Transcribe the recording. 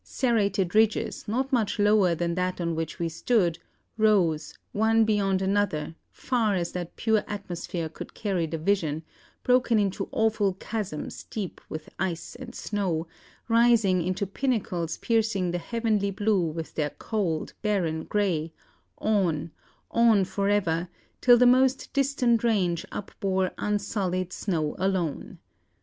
Serrated ridges, not much lower than that on which we stood, rose, one beyond another, far as that pure atmosphere could carry the vision, broken into awful chasms deep with ice and snow, rising into pinnacles piercing the heavenly blue with their cold, barren grey, on, on for ever, till the most distant range upbore unsullied snow alone.